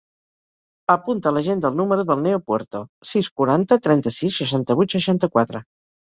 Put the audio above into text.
Apunta a l'agenda el número del Neo Puerto: sis, quaranta, trenta-sis, seixanta-vuit, seixanta-quatre.